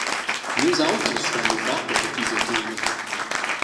Nus auters stuein luvrar per buc ir sutsura.